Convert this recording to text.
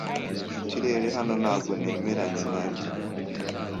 Ikirere hano ntabwo nemeranya nanjye.